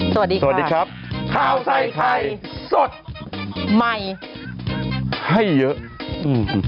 สวัสดีค่ะสวัสดีครับข้าวใส่ไข่สดใหม่ให้เยอะอืม